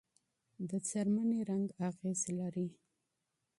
د پوستکي رنګ اغېز لري.